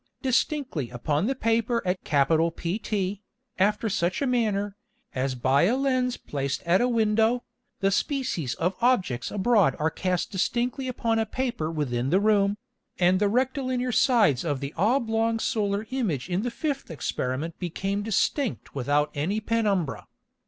distinctly upon the Paper at PT, after such a manner, as by a Lens placed at a Window, the Species of Objects abroad are cast distinctly upon a Paper within the Room, and the rectilinear Sides of the oblong Solar Image in the fifth Experiment became distinct without any Penumbra.